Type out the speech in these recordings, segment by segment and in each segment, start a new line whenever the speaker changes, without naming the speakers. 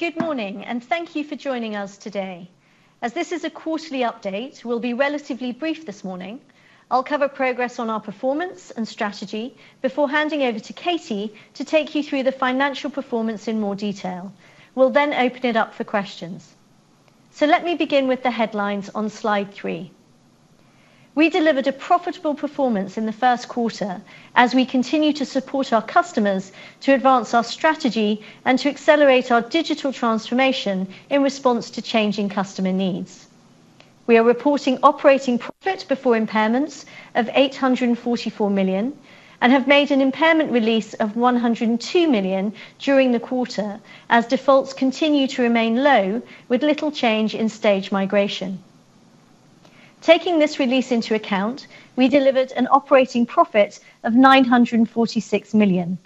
Good morning, and thank you for joining us today. As this is a quarterly update, we'll be relatively brief this morning. I'll cover progress on our performance and strategy before handing over to Katie to take you through the financial performance in more detail. We'll then open it up for questions. Let me begin with the headlines on slide three. We delivered a profitable performance in the first quarter as we continue to support our customers to advance our strategy and to accelerate our digital transformation in response to changing customer needs. We are reporting operating profit before impairments of 844 million, and have made an impairment release of 102 million during the quarter as defaults continue to remain low with little change in stage migration. Taking this release into account, we delivered an operating profit of 946 million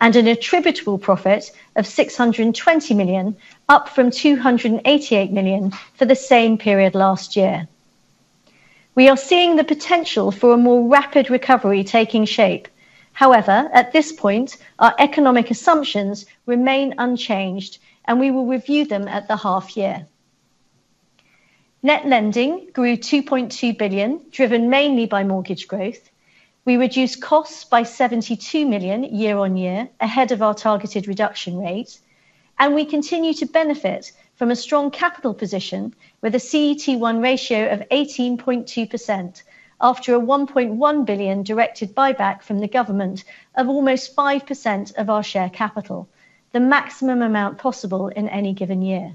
and an attributable profit of 620 million, up from 288 million for the same period last year. We are seeing the potential for a more rapid recovery taking shape. However, at this point, our economic assumptions remain unchanged, and we will review them at the half year. Net lending grew 2.2 billion, driven mainly by mortgage growth. We reduced costs by 72 million year-on-year, ahead of our targeted reduction rate. We continue to benefit from a strong capital position with a CET1 ratio of 18.2% after a 1.1 billion directed buyback from the government of almost 5% of our share capital, the maximum amount possible in any given year.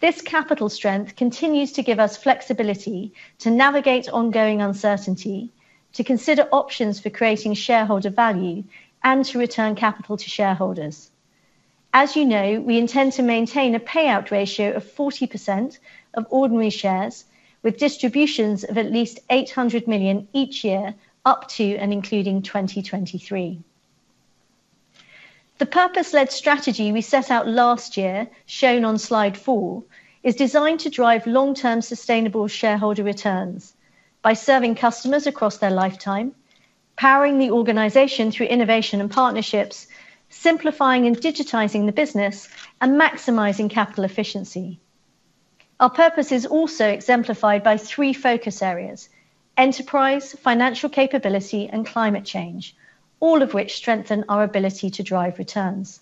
This capital strength continues to give us flexibility to navigate ongoing uncertainty, to consider options for creating shareholder value, and to return capital to shareholders. As you know, we intend to maintain a payout ratio of 40% of ordinary shares with distributions of at least 800 million each year up to and including 2023. The purpose-led strategy we set out last year, shown on slide four, is designed to drive long-term sustainable shareholder returns by serving customers across their lifetime, powering the organization through innovation and partnerships, simplifying and digitizing the business, and maximizing capital efficiency. Our purpose is also exemplified by three focus areas: enterprise, financial capability, and climate change, all of which strengthen our ability to drive returns.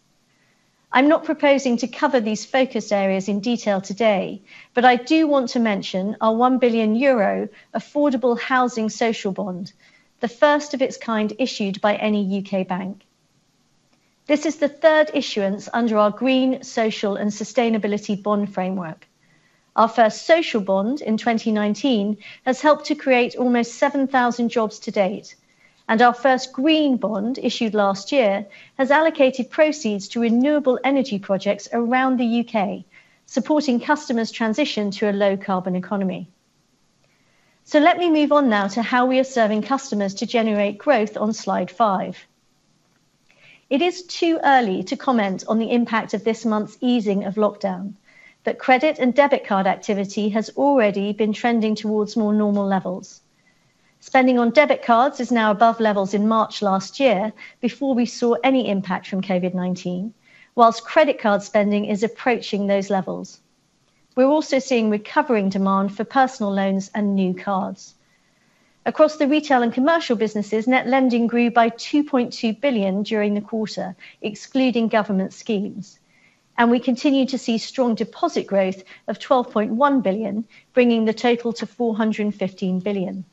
I'm not proposing to cover these focus areas in detail today, but I do want to mention our 1 billion euro affordable housing social bond, the first of its kind issued by any U.K. bank. This is the third issuance under our green, social, and sustainability bond framework. Our first social bond in 2019 has helped to create almost 7,000 jobs to date. Our first green bond, issued last year, has allocated proceeds to renewable energy projects around the U.K., supporting customers' transition to a low-carbon economy. Let me move on now to how we are serving customers to generate growth on slide five. It is too early to comment on the impact of this month's easing of lockdown. Credit and debit card activity has already been trending towards more normal levels. Spending on debit cards is now above levels in March last year before we saw any impact from COVID-19, whilst credit card spending is approaching those levels. We're also seeing recovering demand for personal loans and new cards. Across the retail and commercial businesses, net lending grew by 2.2 billion during the quarter, excluding government schemes. We continue to see strong deposit growth of 12.1 billion, bringing the total to 415 billion.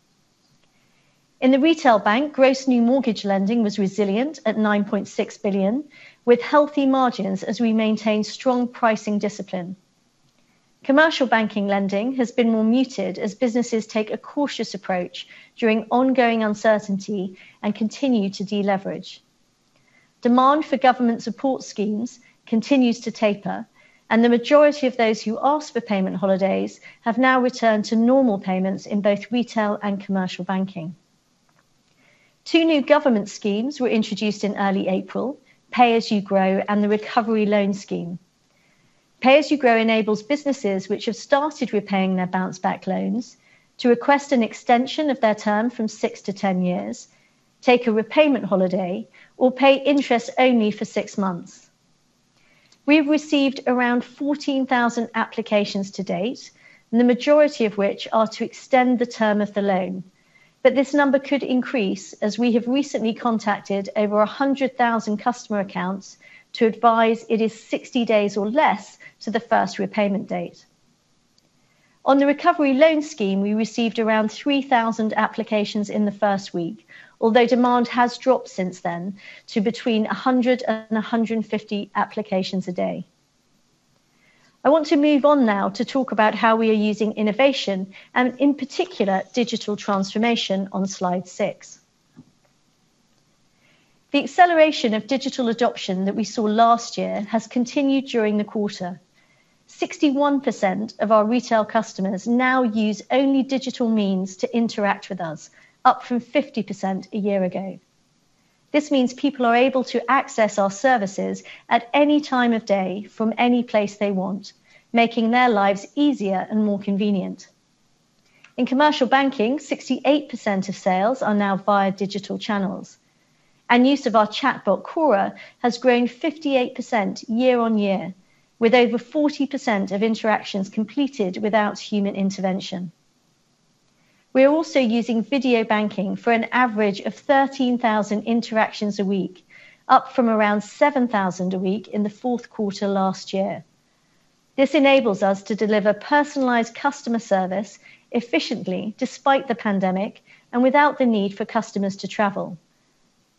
In the retail bank, gross new mortgage lending was resilient at 9.6 billion, with healthy margins as we maintain strong pricing discipline. Commercial banking lending has been more muted as businesses take a cautious approach during ongoing uncertainty and continue to deleverage. Demand for government support schemes continues to taper, and the majority of those who ask for payment holidays have now returned to normal payments in both retail and commercial banking. Two new government schemes were introduced in early April, Pay As You Grow and the Recovery Loan Scheme. Pay As You Grow enables businesses which have started repaying their Bounce Back Loans to request an extension of their term from 6-10 years, take a repayment holiday, or pay interest only for six months. We have received around 14,000 applications to date, and the majority of which are to extend the term of the loan. This number could increase as we have recently contacted over 100,000 customer accounts to advise it is 60 days or less to the first repayment date. On the Recovery Loan Scheme, we received around 3,000 applications in the first week, although demand has dropped since then to between 100 and 150 applications a day. I want to move on now to talk about how we are using innovation and, in particular, digital transformation on slide six. The acceleration of digital adoption that we saw last year has continued during the quarter. 61% of our retail customers now use only digital means to interact with us, up from 50% a year ago. This means people are able to access our services at any time of day from any place they want, making their lives easier and more convenient. In commercial banking, 68% of sales are now via digital channels, and use of our chatbot, Cora, has grown 58% year-on-year, with over 40% of interactions completed without human intervention. We are also using video banking for an average of 13,000 interactions a week, up from around 7,000 a week in the fourth quarter last year. This enables us to deliver personalized customer service efficiently despite the pandemic and without the need for customers to travel.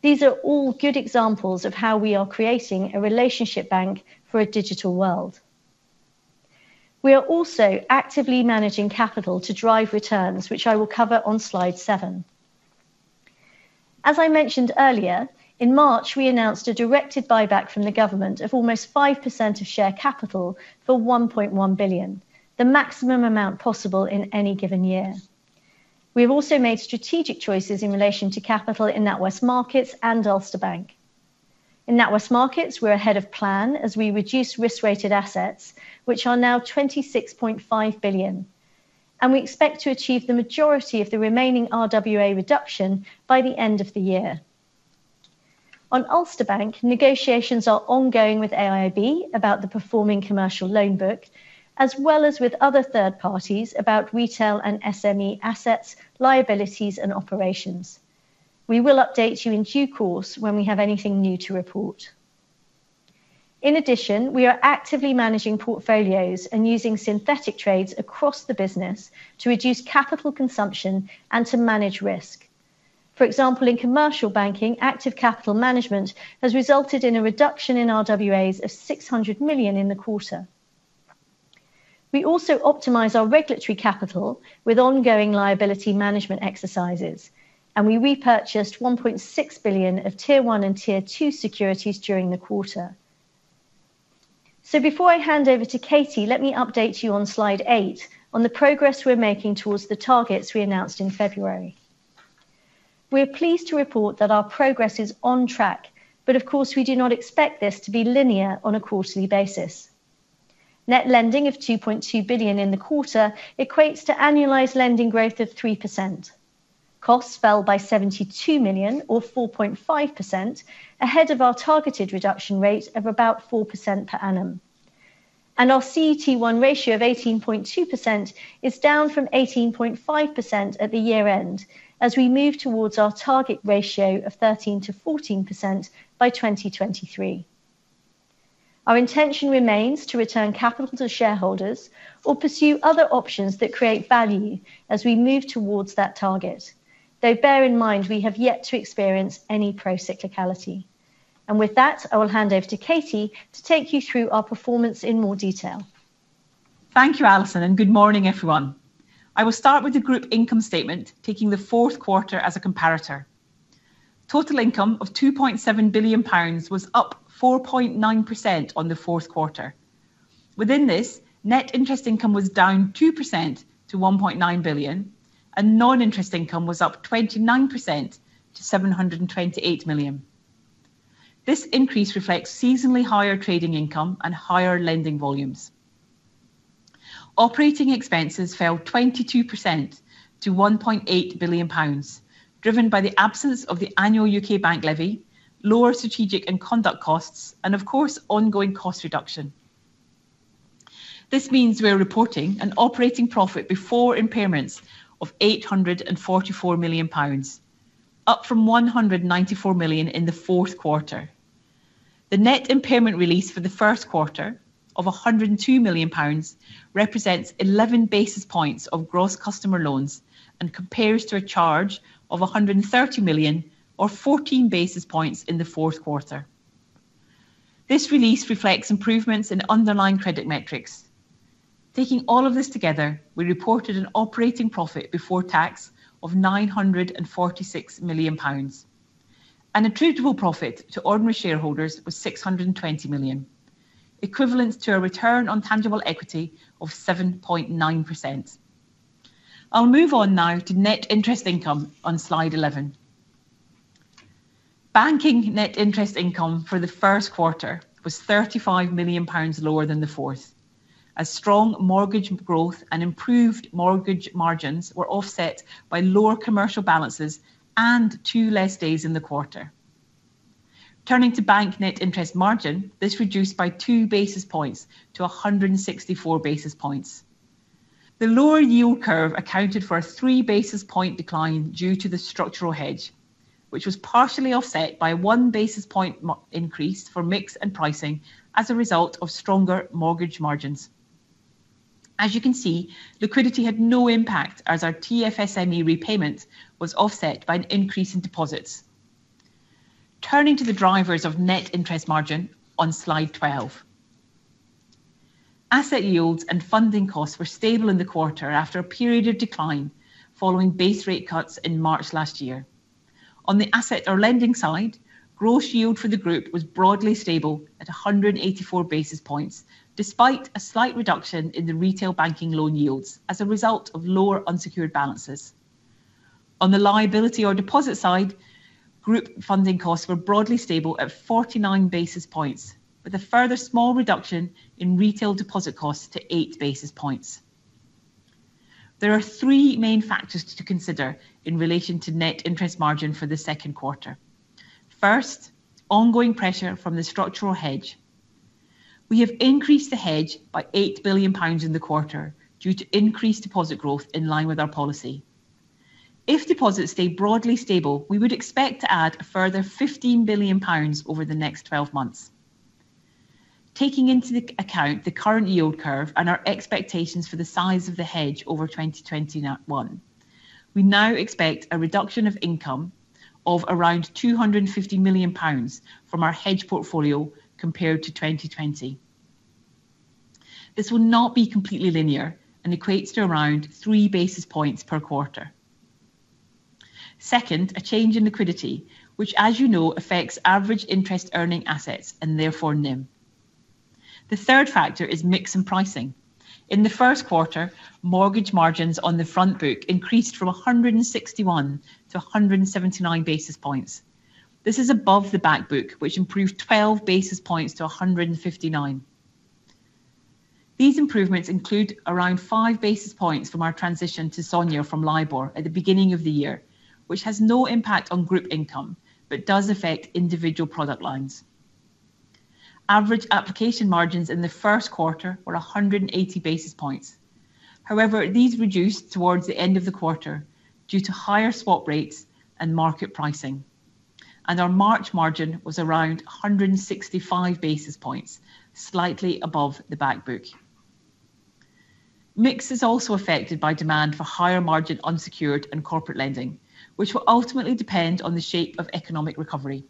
These are all good examples of how we are creating a relationship bank for a digital world. We are also actively managing capital to drive returns, which I will cover on slide seven. As I mentioned earlier, in March, we announced a directed buyback from the government of almost 5% of share capital for 1.1 billion, the maximum amount possible in any given year. We have also made strategic choices in relation to capital in NatWest Markets and Ulster Bank. In NatWest Markets, we're ahead of plan as we reduce risk-weighted assets, which are now 26.5 billion, and we expect to achieve the majority of the remaining RWA reduction by the end of the year. On Ulster Bank, negotiations are ongoing with AIB about the performing commercial loan book as well as with other third parties about retail and SME assets, liabilities, and operations. We will update you in due course when we have anything new to report. In addition, we are actively managing portfolios and using synthetic trades across the business to reduce capital consumption and to manage risk. For example, in commercial banking, active capital management has resulted in a reduction in RWAs of 600 million in the quarter. We also optimize our regulatory capital with ongoing liability management exercises, and we repurchased 1.6 billion of Tier 1 and Tier 2 securities during the quarter. Before I hand over to Katie, let me update you on slide eight on the progress we're making towards the targets we announced in February. We are pleased to report that our progress is on track, but of course, we do not expect this to be linear on a quarterly basis. Net lending of 2.2 billion in the quarter equates to annualized lending growth of 3%. Costs fell by 72 million, or 4.5%, ahead of our targeted reduction rate of about 4% per annum. Our CET1 ratio of 18.2% is down from 18.5% at the year-end as we move towards our target ratio of 13%-14% by 2023. Our intention remains to return capital to shareholders or pursue other options that create value as we move towards that target. Bear in mind, we have yet to experience any pro-cyclicality. With that, I will hand over to Katie to take you through our performance in more detail.
Thank you, Alison. Good morning, everyone. I will start with the group income statement, taking the fourth quarter as a comparator. Total income of 2.7 billion pounds was up 4.9% on the fourth quarter. Within this, net interest income was down 2% to 1.9 billion, and non-interest income was up 29% to 728 million. This increase reflects seasonally higher trading income and higher lending volumes. Operating expenses fell 22% to 1.8 billion pounds, driven by the absence of the annual UK bank levy, lower strategic and conduct costs, and of course, ongoing cost reduction. This means we are reporting an operating profit before impairments of 844 million pounds, up from 194 million in the fourth quarter. The net impairment release for the first quarter of 102 million pounds represents 11 basis points of gross customer loans and compares to a charge of 130 million, or 14 basis points in the fourth quarter. This release reflects improvements in underlying credit metrics. Taking all of this together, we reported an operating profit before tax of 946 million pounds. Attributable profit to ordinary shareholders was 620 million, equivalent to a return on tangible equity of 7.9%. I'll move on now to net interest income on slide 11. Banking net interest income for the first quarter was 35 million pounds lower than the fourth as strong mortgage growth and improved mortgage margins were offset by lower commercial balances and two less days in the quarter. Turning to bank net interest margin, this reduced by 2 basis points to 164 basis points. The lower yield curve accounted for a 3 basis point decline due to the structural hedge, which was partially offset by a 1 basis point increase for mix and pricing as a result of stronger mortgage margins. You can see, liquidity had no impact as our TFSME repayment was offset by an increase in deposits. Turning to the drivers of net interest margin on slide 12. Asset yields and funding costs were stable in the quarter after a period of decline following base rate cuts in March last year. On the asset or lending side, gross yield for the group was broadly stable at 184 basis points, despite a slight reduction in the Retail Banking loan yields as a result of lower unsecured balances. On the liability or deposit side, group funding costs were broadly stable at 49 basis points with a further small reduction in retail deposit costs to 8 basis points. There are three main factors to consider in relation to net interest margin for the second quarter. First, ongoing pressure from the structural hedge. We have increased the hedge by 8 billion pounds in the quarter due to increased deposit growth in line with our policy. If deposits stay broadly stable, we would expect to add a further 15 billion pounds over the next 12 months. Taking into account the current yield curve and our expectations for the size of the hedge over 2021, we now expect a reduction of income of around 250 million pounds from our hedge portfolio compared to 2020. This will not be completely linear and equates to around 3 basis points per quarter. Second, a change in liquidity, which as you know affects average interest earning assets and therefore NIM. The third factor is mix and pricing. In the first quarter, mortgage margins on the front book increased from 161 to 179 basis points. This is above the back book, which improved 12 basis points to 159. These improvements include around 5 basis points from our transition to SONIA from LIBOR at the beginning of the year, which has no impact on group income but does affect individual product lines. Average application margins in the first quarter were 180 basis points. These reduced towards the end of the quarter due to higher swap rates and market pricing, and our March margin was around 165 basis points, slightly above the back book. Mix is also affected by demand for higher margin unsecured and corporate lending, which will ultimately depend on the shape of economic recovery.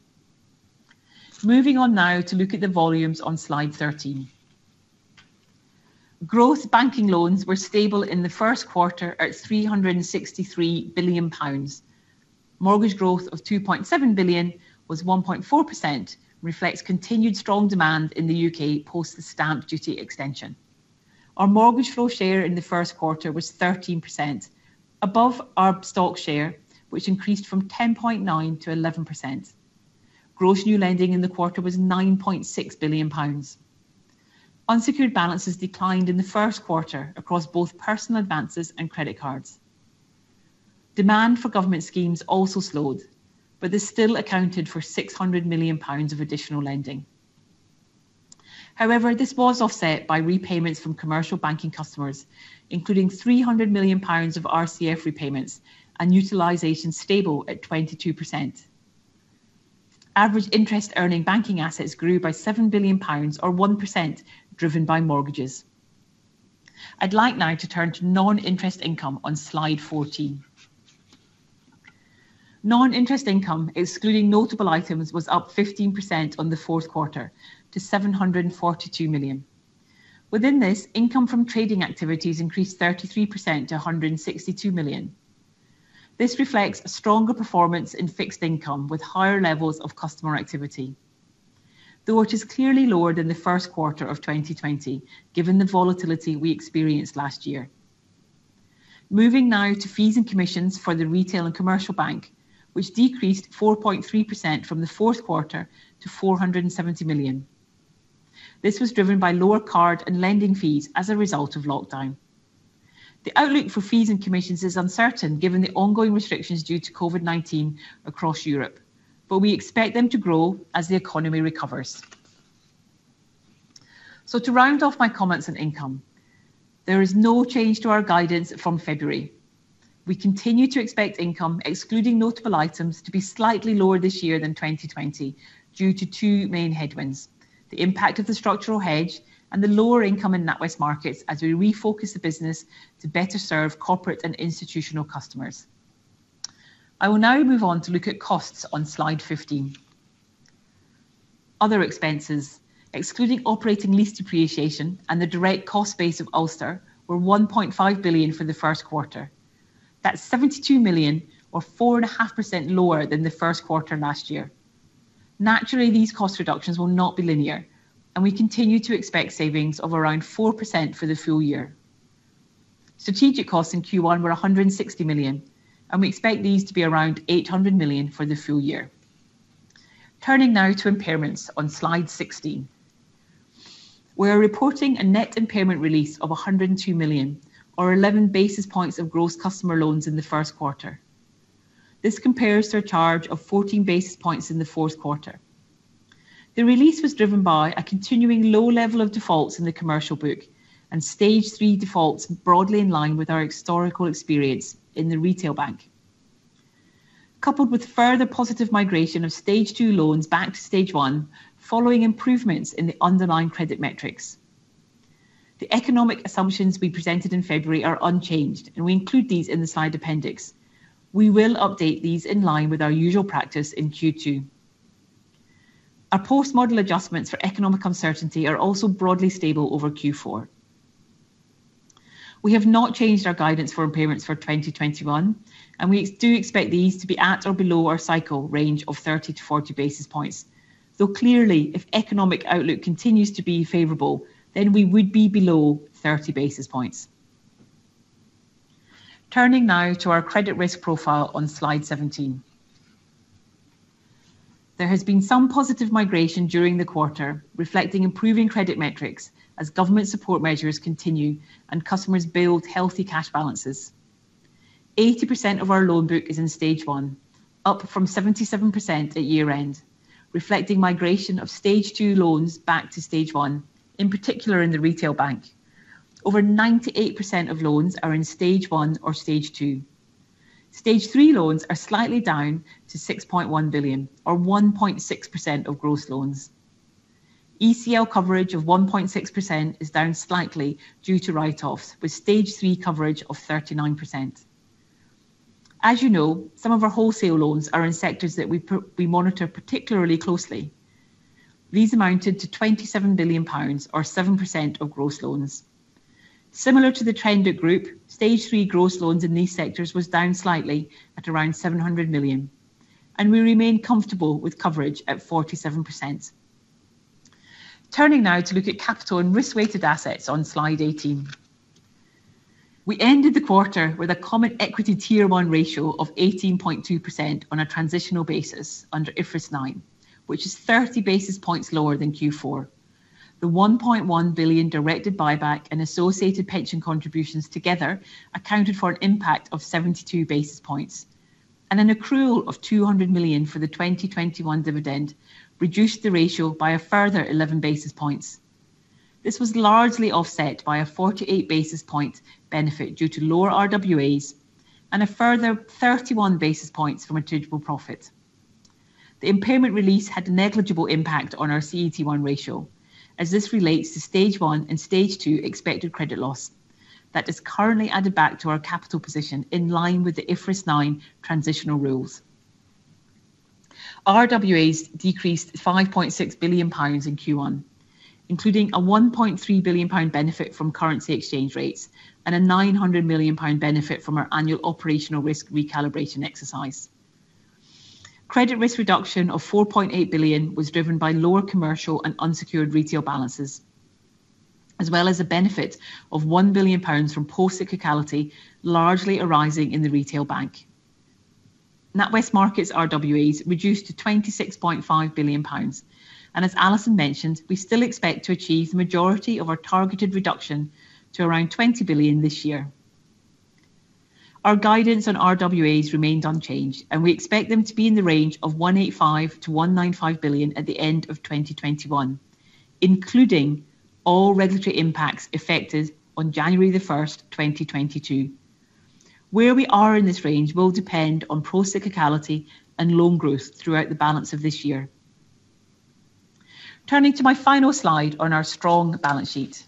Moving on now to look at the volumes on slide 13. Gross banking loans were stable in the first quarter at 363 billion pounds. Mortgage growth of 2.7 billion was 1.4%, reflects continued strong demand in the U.K. post the stamp duty extension. Our mortgage flow share in the first quarter was 13%, above our stock share, which increased from 10.9% to 11%. Gross new lending in the quarter was 9.6 billion pounds. Unsecured balances declined in the first quarter across both personal advances and credit cards. This still accounted for 600 million pounds of additional lending. However, this was offset by repayments from commercial banking customers, including 300 million pounds of RCF repayments and utilization stable at 22%. Average interest earning banking assets grew by 7 billion pounds or 1% driven by mortgages. I'd like now to turn to non-interest income on slide 14. Non-interest income excluding notable items was up 15% on the fourth quarter to 742 million. Within this, income from trading activities increased 33% to 162 million. This reflects stronger performance in fixed income with higher levels of customer activity. Though it is clearly lower than the first quarter of 2020, given the volatility we experienced last year. Moving now to fees and commissions for the retail and commercial bank, which decreased 4.3% from the fourth quarter to 470 million. This was driven by lower card and lending fees as a result of lockdown. The outlook for fees and commissions is uncertain given the ongoing restrictions due to COVID-19 across Europe, but we expect them to grow as the economy recovers. To round off my comments on income, there is no change to our guidance from February. We continue to expect income excluding notable items to be slightly lower this year than 2020 due to two main headwinds, the impact of the structural hedge and the lower income in NatWest Markets as we refocus the business to better serve corporate and institutional customers. I will now move on to look at costs on slide 15. Other expenses excluding operating lease depreciation and the direct cost base of Ulster were 1.5 billion for the first quarter. That's 72 million or 4.5% lower than the first quarter last year. These cost reductions will not be linear, and we continue to expect savings of around 4% for the full year. Strategic costs in Q1 were 160 million, and we expect these to be around 800 million for the full year. Turning now to impairments on slide 16. We are reporting a net impairment release of 102 million or 11 basis points of gross customer loans in the first quarter. This compares to a charge of 14 basis points in the fourth quarter. The release was driven by a continuing low level of defaults in the commercial book and Stage 3 defaults broadly in line with our historical experience in the retail bank. Coupled with further positive migration of Stage 2 loans back to Stage 1 following improvements in the underlying credit metrics. The economic assumptions we presented in February are unchanged. We include these in the slide appendix. We will update these in line with our usual practice in Q2. Our post-model adjustments for economic uncertainty are also broadly stable over Q4. We have not changed our guidance for impairments for 2021. We do expect these to be at or below our cycle range of 30-40 basis points. Though clearly, if economic outlook continues to be favorable, we would be below 30 basis points. Turning now to our credit risk profile on slide 17. There has been some positive migration during the quarter, reflecting improving credit metrics as government support measures continue and customers build healthy cash balances. 80% of our loan book is in Stage 1, up from 77% at year-end, reflecting migration of Stage 2 loans back to Stage 1, in particular in the retail bank. Over 98% of loans are in Stage 1 or Stage 2. Stage 3 loans are slightly down to 6.1 billion or 1.6% of gross loans. ECL coverage of 1.6% is down slightly due to write-offs, with Stage 3 coverage of 39%. As you know, some of our wholesale loans are in sectors that we monitor particularly closely. These amounted to 27 billion pounds or 7% of gross loans. Similar to the trend at group, Stage 3 gross loans in these sectors was down slightly at around 700 million, and we remain comfortable with coverage at 47%. Turning now to look at capital and risk-weighted assets on slide 18. We ended the quarter with a common equity Tier 1 ratio of 18.2% on a transitional basis under IFRS 9, which is 30 basis points lower than Q4. The 1.1 billion directed buyback and associated pension contributions together accounted for an impact of 72 basis points, and an accrual of 200 million for the 2021 dividend reduced the ratio by a further 11 basis points. This was largely offset by a 48 basis point benefit due to lower RWAs and a further 31 basis points from attributable profit. The impairment release had a negligible impact on our CET1 ratio, as this relates to Stage 1 and Stage 2 expected credit loss that is currently added back to our capital position in line with the IFRS 9 transitional rules. RWAs decreased 5.6 billion pounds in Q1, including a 1.3 billion pound benefit from currency exchange rates and a 900 million pound benefit from our annual operational risk recalibration exercise. Credit risk reduction of 4.8 billion was driven by lower commercial and unsecured retail balances, as well as a benefit of 1 billion pounds from procyclicality, largely arising in the retail bank. NatWest Markets RWAs reduced to 26.5 billion pounds, and as Alison mentioned, we still expect to achieve the majority of our targeted reduction to around 20 billion this year. Our guidance on RWAs remained unchanged, and we expect them to be in the range of 185 billion-195 billion at the end of 2021, including all regulatory impacts effected on January 1st, 2022. Where we are in this range will depend on procyclicality and loan growth throughout the balance of this year. Turning to my final slide on our strong balance sheet.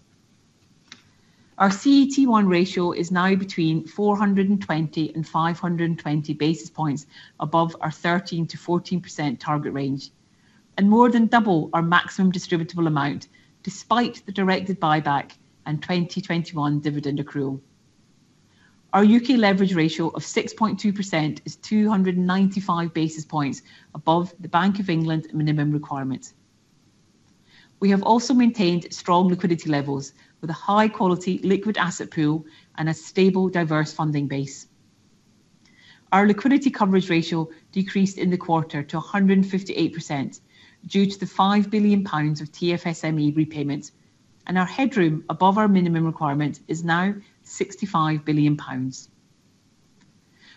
Our CET1 ratio is now between 420 and 520 basis points above our 13%-14% target range and more than double our maximum distributable amount, despite the directed buyback and 2021 dividend accrual. Our U.K. leverage ratio of 6.2% is 295 basis points above the Bank of England minimum requirement. We have also maintained strong liquidity levels with a high-quality liquid asset pool and a stable, diverse funding base. Our liquidity coverage ratio decreased in the quarter to 158% due to the 5 billion pounds of TFSME repayment, and our headroom above our minimum requirement is now 65 billion pounds.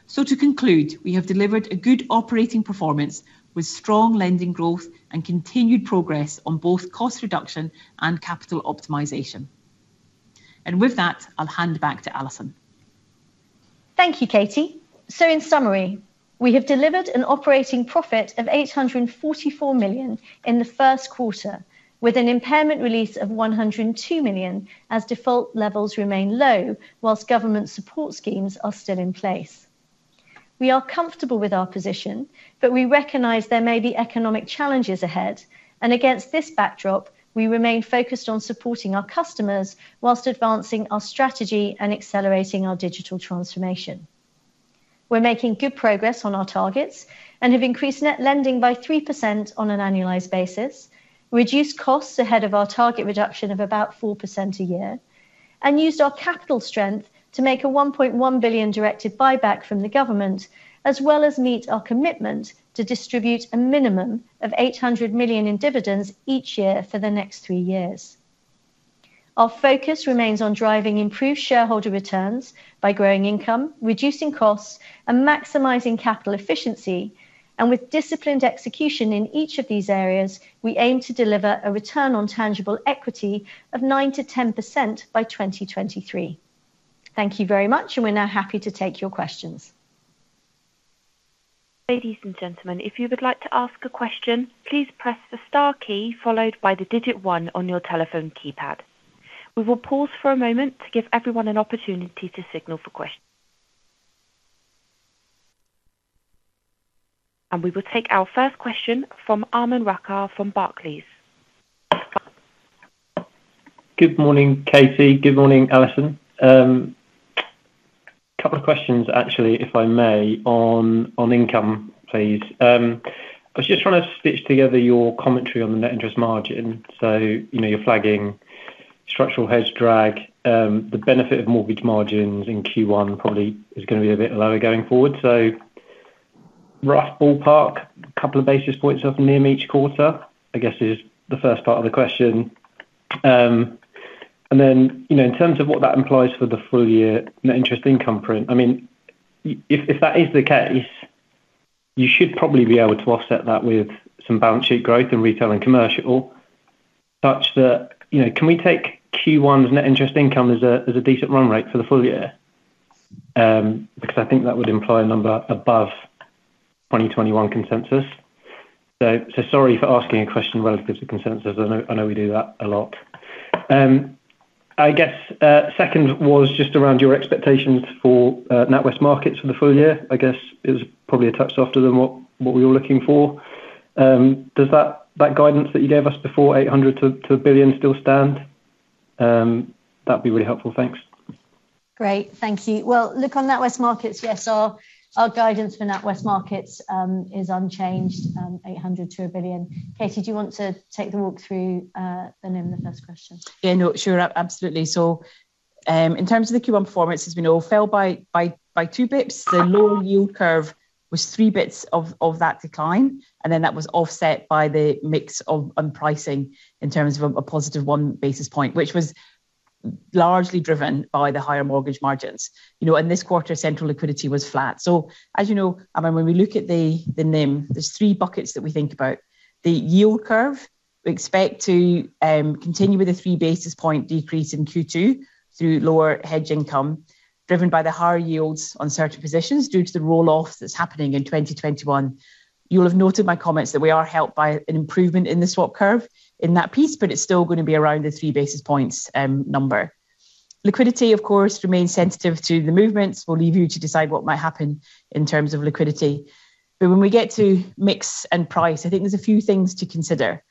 To conclude, we have delivered a good operating performance with strong lending growth and continued progress on both cost reduction and capital optimization. With that, I'll hand back to Alison.
Thank you, Katie. In summary, we have delivered an operating profit of 844 million in the first quarter with an impairment release of 102 million as default levels remain low while government support schemes are still in place. We are comfortable with our position, we recognize there may be economic challenges ahead, against this backdrop, we remain focused on supporting our customers while advancing our strategy and accelerating our digital transformation. We're making good progress on our targets and have increased net lending by 3% on an annualized basis, reduced costs ahead of our target reduction of about 4% a year, and used our capital strength to make a 1.1 billion directed buyback from the government as well as meet our commitment to distribute a minimum of 800 million in dividends each year for the next three years. Our focus remains on driving improved shareholder returns by growing income, reducing costs, and maximizing capital efficiency. With disciplined execution in each of these areas, we aim to deliver a return on tangible equity of 9% to 10% by 2023. Thank you very much, and we're now happy to take your questions.
Ladies and gentlemen, if you would like to ask a question, please press star key followed by the digit one on your telephone keypad. We will pause for a moment to give everyone an opportunity to signal for question. We will take our first question from Aman Rakkar from Barclays.
Good morning, Katie. Good morning, Alison. A couple of questions actually, if I may, on income, please. I was just trying to stitch together your commentary on the net interest margin. You're flagging Structural hedge drag. The benefit of mortgage margins in Q1 probably is going to be a bit lower going forward. Rough ballpark, couple of basis points of NIM each quarter, I guess is the first part of the question. In terms of what that implies for the full year net interest income print, if that is the case, you should probably be able to offset that with some balance sheet growth in retail and commercial such that can we take Q1's net interest income as a decent run rate for the full year? I think that would imply a number above 2021 consensus. Sorry for asking a question relative to consensus. I know we do that a lot. I guess, second was just around your expectations for NatWest Markets for the full year. I guess it was probably a touch softer than what we were looking for. Does that guidance that you gave us before, 800 million-1 billion still stand? That'd be really helpful. Thanks.
Great. Thank you. Well, look, on NatWest Markets, yes, our guidance for NatWest Markets is unchanged, 800 million-1 billion. Katie, do you want to take the walk through the NIM in the first question?
Sure. Absolutely. In terms of the Q1 performance, as we know, fell by 2 basis points. The low yield curve was 3 basis points of that decline, that was offset by the mix and pricing in terms of a +1 basis point, which was largely driven by the higher mortgage margins. In this quarter, central liquidity was flat. As you know, when we look at the NIM, there's three buckets that we think about. The yield curve we expect to continue with a 3 basis point decrease in Q2 through lower hedge income, driven by the higher yields on certain positions due to the roll-off that's happening in 2021. You'll have noted my comments that we are helped by an improvement in the swap curve in that piece, it's still going to be around the 3 basis points number. Liquidity, of course, remains sensitive to the movements. We'll leave you to decide what might happen in terms of liquidity. When we get to mix and price, I think there's a few things to consider.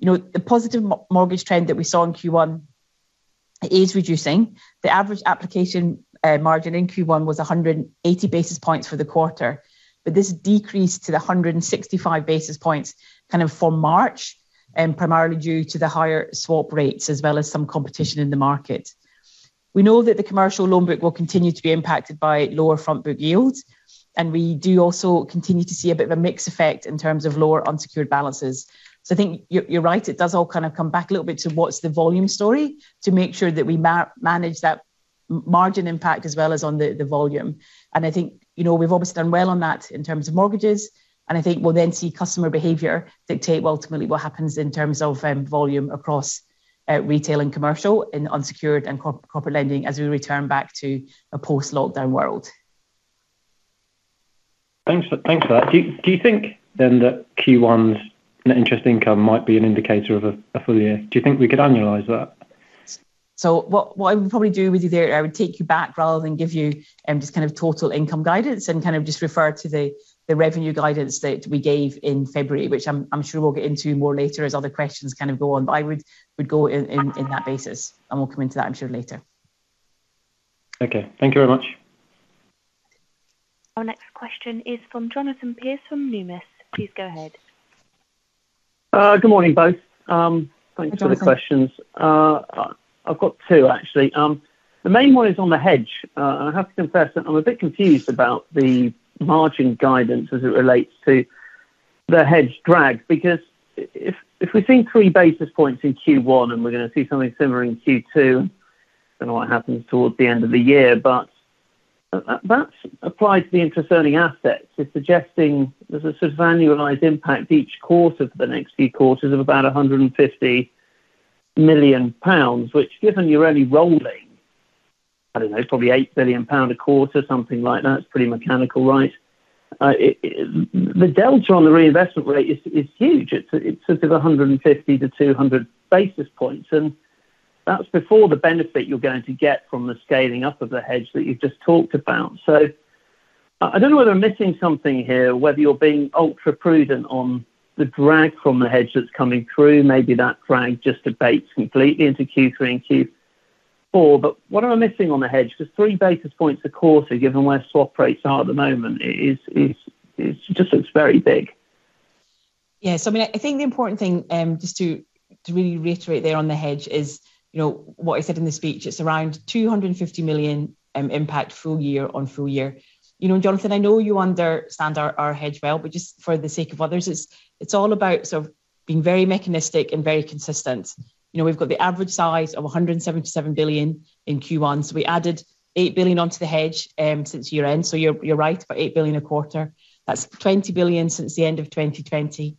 The positive mortgage trend that we saw in Q1 is reducing. The average application margin in Q1 was 180 basis points for the quarter, but this decreased to 165 basis points for March, primarily due to the higher swap rates as well as some competition in the market. We know that the commercial loan book will continue to be impacted by lower front book yields, and we do also continue to see a bit of a mix effect in terms of lower unsecured balances. I think you're right. It does all come back a little bit to what's the volume story, to make sure that we manage that margin impact as well as on the volume. I think we've always done well on that in terms of mortgages. I think we'll then see customer behavior dictate ultimately what happens in terms of volume across retail and commercial in unsecured and corporate lending as we return back to a post-lockdown world.
Thanks for that. Do you think then that Q1's net interest income might be an indicator of a full year? Do you think we could annualize that?
What I would probably do with you there, I would take you back rather than give you just total income guidance and just refer to the revenue guidance that we gave in February, which I'm sure we'll get into more later as other questions go on. I would go in that basis, and we'll come into that, I'm sure, later.
Okay. Thank you very much.
Our next question is from Jonathan Pierce from Numis. Please go ahead.
Good morning, both.
Hi, Jonathan.
Thanks for the questions. I've got two, actually. The main one is on the hedge. I have to confess that I'm a bit confused about the margin guidance as it relates to the hedge drag. If we're seeing 3 basis points in Q1 and we're going to see something similar in Q2, don't know what happens towards the end of the year, but that applied to the interest earning assets is suggesting there's annualized impact each quarter for the next few quarters of about 150 million pounds. Which given you're only rolling, I don't know, probably 8 billion pound a quarter, something like that. It's pretty mechanical, right? The delta on the reinvestment rate is huge. It's sort of 150-200 basis points. That's before the benefit you're going to get from the scaling up of the hedge that you've just talked about. I don't know whether I'm missing something here or whether you're being ultra-prudent on the drag from the hedge that's coming through. Maybe that drag just abates completely into Q3 and Q4. What am I missing on the hedge? 3 basis points a quarter, given where swap rates are at the moment, it just looks very big.
I think the important thing, just to really reiterate there on the hedge is what I said in the speech. It's around 250 million impact full year on full year. Jonathan, I know you understand our hedge well, but just for the sake of others, it's all about sort of being very mechanistic and very consistent. We've got the average size of 177 billion in Q1, so we added 8 billion onto the hedge since year-end. You're right, about 8 billion a quarter. That's 20 billion since the end of 2020.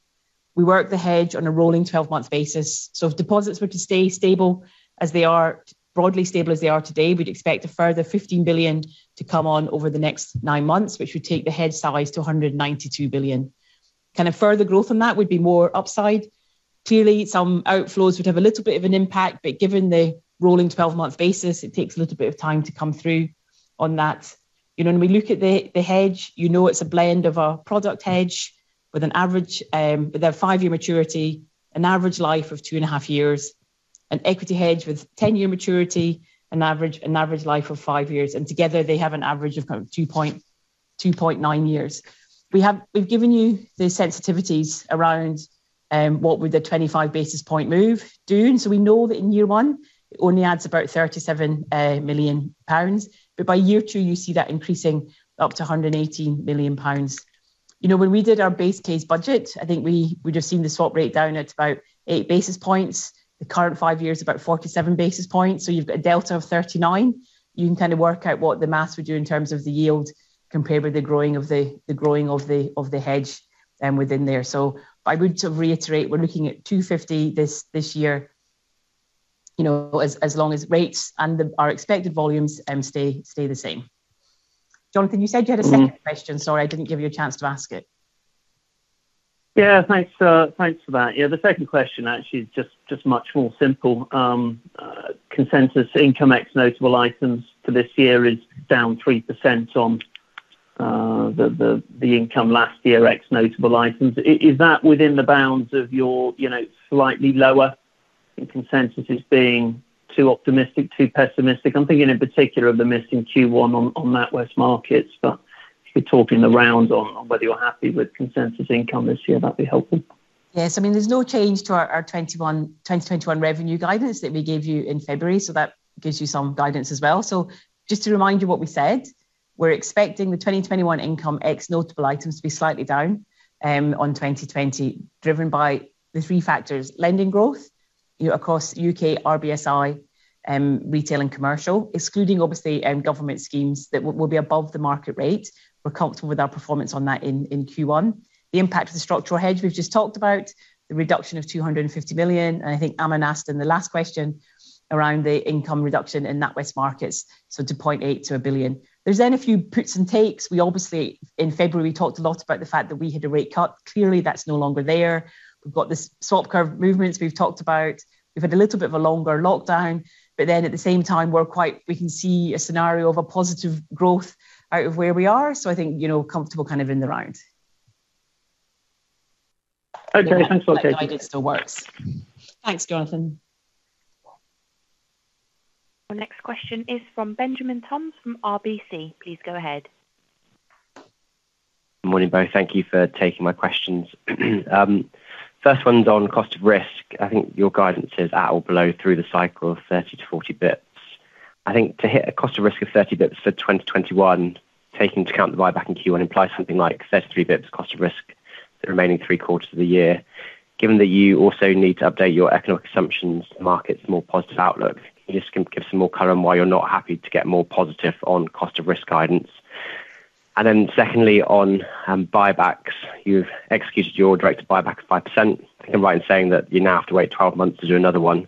We work the hedge on a rolling 12-month basis. If deposits were to stay stable as they are, broadly stable as they are today, we'd expect a further 15 billion to come on over the next nine months, which would take the hedge size to 192 billion. Further growth on that would be more upside. Some outflows would have a little bit of an impact, but given the rolling 12-month basis, it takes a little bit of time to come through on that. When we look at the hedge, you know it's a blend of a product hedge with a five-year maturity, an average life of two and a half years, an equity hedge with 10-year maturity, an average life of five years. Together, they have an average of 2.9 years. We've given you the sensitivities around what would the 25 basis point move do. We know that in year one, it only adds about 37 million pounds. By year two, you see that increasing up to 118 million pounds. When we did our base case budget, I think we'd just seen the swap rate down at about 8 basis points. The current five-year is about 47 basis points. You've got a delta of 39. You can work out what the math would do in terms of the yield compared with the growing of the hedge within there. I would reiterate, we're looking at 250 this year, as long as rates and our expected volumes stay the same. Jonathan, you said you had a second question. Sorry, I didn't give you a chance to ask it.
Yeah, thanks for that. The second question actually is just much more simple. Consensus income ex notable items for this year is down 3% on the income last year, ex notable items. Is that within the bounds of your slightly lower, consensus being too optimistic, too pessimistic? I'm thinking in particular of the miss in Q1 on NatWest Markets, if you could talk in the round on whether you're happy with consensus income this year, that'd be helpful.
There's no change to our 2021 revenue guidance that we gave you in February, that gives you some guidance as well. Just to remind you what we said, we're expecting the 2021 income ex notable items to be slightly down on 2020, driven by the three factors, lending growth across U.K., RBSI, retail, and commercial, excluding obviously government schemes that will be above the market rate. We're comfortable with our performance on that in Q1. The impact of the structural hedge we've just talked about, the reduction of 250 million, and I think Aman asked in the last question around the income reduction in NatWest Markets, so to 0.8 billion-1 billion. There's a few puts and takes. We obviously, in February, talked a lot about the fact that we had a rate cut. That's no longer there. We've got the swap curve movements we've talked about. We've had a little bit of a longer lockdown, at the same time, we can see a scenario of a positive growth out of where we are. I think, comfortable in the round.
Okay. Thanks, Katie.
That guidance still works. Thanks, Jonathan.
Our next question is from Benjamin Toms from RBC. Please go ahead.
Morning, both. Thank you for taking my questions. First one's on cost of risk. I think your guidance is at or below through the cycle of 30-40 basis points. I think to hit a cost of risk of 30 basis points for 2021, taking into account the buyback in Q1 implies something like 33 basis points cost of risk the remaining three quarters of the year. Given that you also need to update your economic assumptions to the market's more positive outlook, can you just give some more color on why you're not happy to get more positive on cost of risk guidance? Secondly, on buybacks. You've executed your directed buyback of 5%. I think I'm right in saying that you now have to wait 12 months to do another one.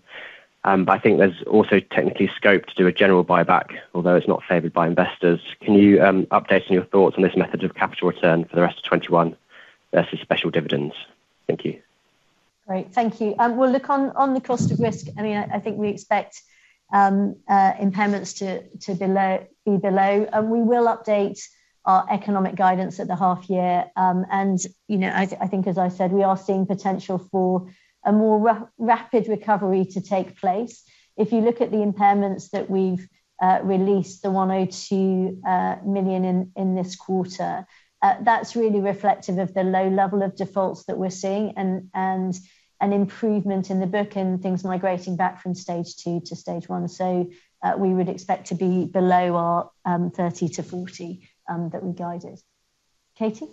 I think there's also technically scope to do a general buyback, although it's not favored by investors. Can you update on your thoughts on this method of capital return for the rest of 2021 versus special dividends? Thank you.
Great. Thank you. Well, look, on the cost of risk, I think we expect impairments to be below. We will update our economic guidance at the half year. I think as I said, we are seeing potential for a more rapid recovery to take place. If you look at the impairments that we've released, the 102 million in this quarter, that's really reflective of the low level of defaults that we're seeing, and an improvement in the book and things migrating back from Stage 2 to Stage 1. We would expect to be below our 30-40 that we guided. Katie?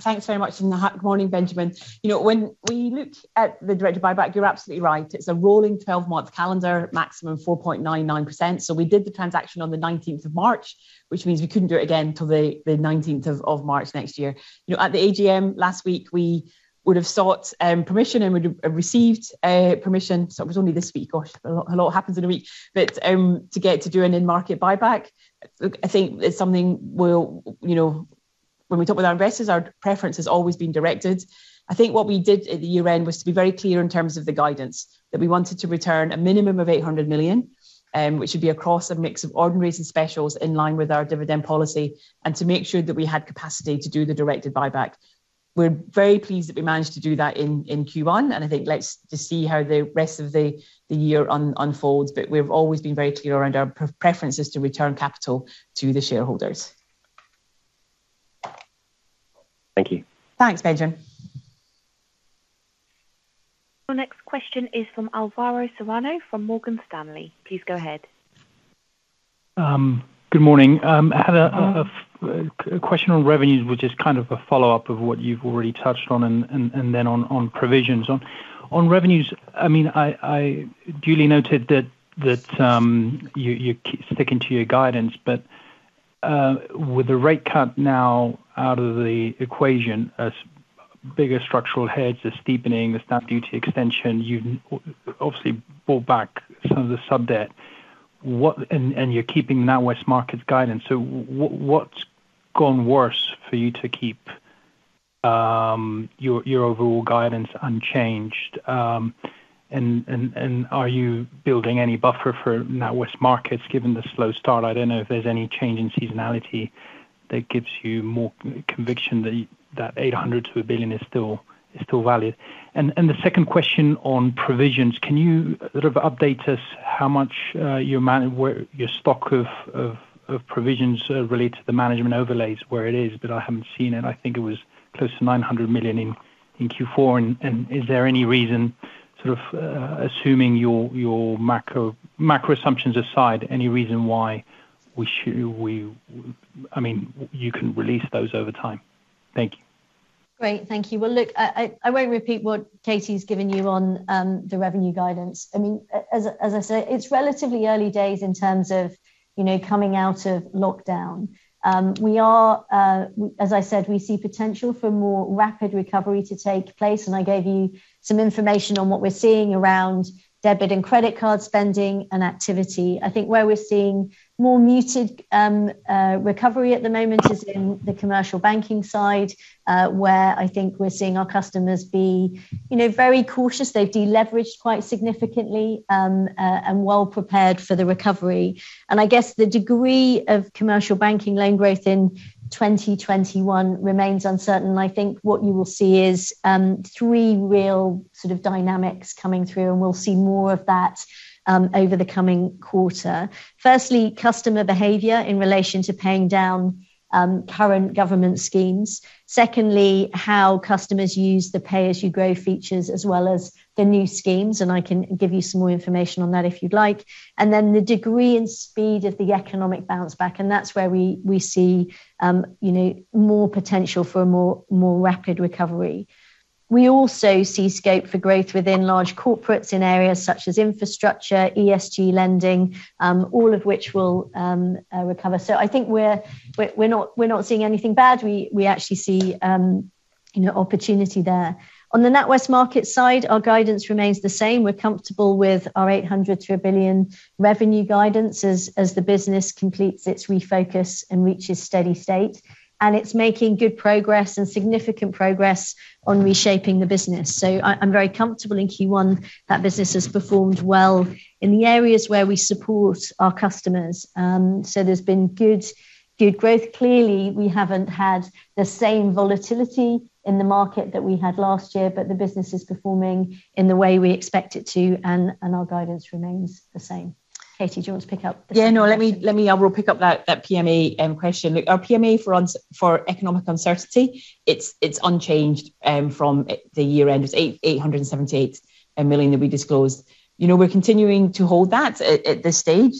Thanks very much. Morning, Benjamin. When we looked at the directed buyback, you're absolutely right. It's a rolling 12-month calendar maximum 4.99%. We did the transaction on the March 19th, which means we couldn't do it again till the 19th of March next year. At the AGM last week, we would have sought permission and would have received permission. It was only this week. Gosh, a lot happens in a week. To get to do an in-market buyback, I think it's something when we talk with our investors, our preference has always been directed. I think what we did at the year end was to be very clear in terms of the guidance. We wanted to return a minimum of 800 million, which would be across a mix of ordinaries and specials in line with our dividend policy, and to make sure that we had capacity to do the directed buyback. We're very pleased that we managed to do that in Q1. I think let's just see how the rest of the year unfolds. We've always been very clear around our preference is to return capital to the shareholders.
Thank you.
Thanks, Benjamin.
Our next question is from Alvaro Serrano from Morgan Stanley. Please go ahead.
Good morning. I had a question on revenues, which is kind of a follow-up of what you've already touched on, and then on provisions. On revenues, I duly noted that you're sticking to your guidance, but with the rate cut now out of the equation, as bigger structural hedge, the steepening, the stamp duty extension, you obviously bought back some of the sub-debt, and you're keeping NatWest Markets guidance. What's gone worse for you to keep your overall guidance unchanged? Are you building any buffer for NatWest Markets given the slow start? I don't know if there's any change in seasonality that gives you more conviction that 800 million-1 billion is still valid. The second question on provisions, can you sort of update us how much your stock of provisions relate to the management overlays, where it is. But I haven't seen it. I think it was close to 900 million in Q4, and is there any reason, assuming your macro assumptions aside, any reason why you can release those over time? Thank you.
Great. Thank you. Look, I won't repeat what Katie's given you on the revenue guidance. As I said, it's relatively early days in terms of coming out of lockdown. As I said, we see potential for more rapid recovery to take place, and I gave you some information on what we're seeing around debit and credit card spending and activity. I think where we're seeing more muted recovery at the moment is in the commercial banking side, where I think we're seeing our customers be very cautious. They've de-leveraged quite significantly and well prepared for the recovery. I guess the degree of commercial banking loan growth in 2021 remains uncertain. I think what you will see is three real sort of dynamics coming through, and we'll see more of that over the coming quarter. Firstly, customer behavior in relation to paying down current government schemes. Secondly, how customers use the Pay As You Grow features as well as the new schemes, and I can give you some more information on that if you'd like. The degree and speed of the economic bounce back, and that's where we see more potential for a more rapid recovery. We also see scope for growth within large corporates in areas such as infrastructure, ESG lending, all of which will recover. I think we're not seeing anything bad. We actually see opportunity there. On the NatWest Markets side, our guidance remains the same. We're comfortable with our 800 million-1 billion revenue guidance as the business completes its refocus and reaches steady state. It's making good progress and significant progress on reshaping the business. I'm very comfortable in Q1 that business has performed well in the areas where we support our customers. There's been good growth. We haven't had the same volatility in the market that we had last year, but the business is performing in the way we expect it to, and our guidance remains the same. Katie, do you want to pick up?
Yeah, no, let me I will pick up that PMA question. Look, our PMA for economic uncertainty, it's unchanged from the year end. It's 878 million that we disclosed. We're continuing to hold that at this stage.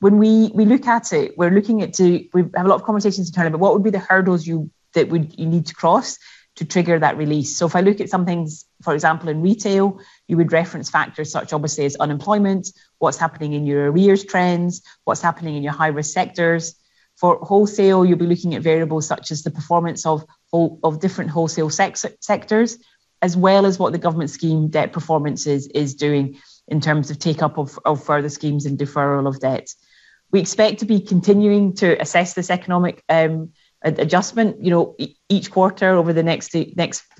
When we look at it, we have a lot of conversations internally about what would be the hurdles that you need to cross to trigger that release. If I look at some things, for example, in retail, you would reference factors such obviously as unemployment, what's happening in your arrears trends, what's happening in your high-risk sectors. For wholesale, you'll be looking at variables such as the performance of different wholesale sectors, as well as what the government scheme debt performance is doing in terms of take-up of further schemes and deferral of debts. We expect to be continuing to assess this economic adjustment each quarter over the next